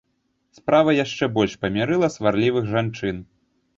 Справа яшчэ больш памірыла сварлівых жанчын.